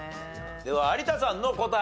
では有田さんの答え。